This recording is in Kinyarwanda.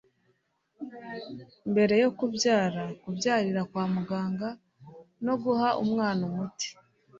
Mbere yo kubyara kubyarira kwa muganga no guha umwana umuti